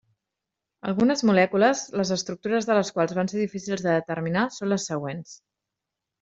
Algunes molècules les estructures de les quals van ser difícils de determinar són les següents.